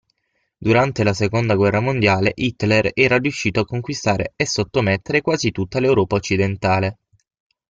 Durante la seconda guerra mondiale Hitler era riuscito a conquistare e sottomettere quasi tutta l'Europa occidentale.